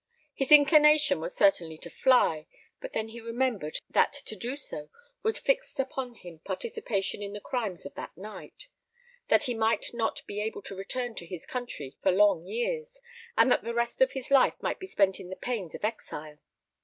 His inclination was certainly to fly; but then he remembered that to do so would fix upon him participation in the crimes of that night; that he might not be able to return to his country for long years, and that the rest of his life might be spent in the pains of exile.